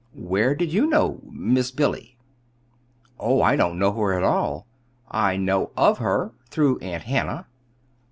"Where did you know Miss Billy?" "Oh, I don't know her at all. I know of her through Aunt Hannah."